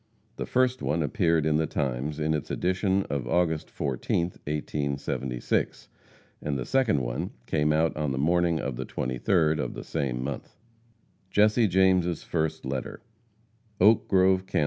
The first one appeared in the Times in its edition of August 14th, 1876, and the second one came out on the morning of the 23d of the same month. JESSE JAMES' FIRST LETTER. OAK GROVE, Kan.